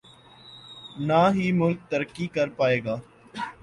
نہ ہی ملک ترقی کر پائے گا۔